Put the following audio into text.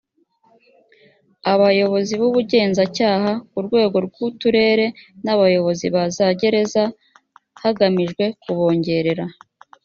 abayobozi b ubugenzacyaha ku rwego rw uturere n abayobozi ba za gereza hagamijwe kubongerera